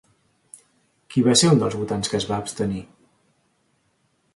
Qui va ser un dels votants que es va abstenir?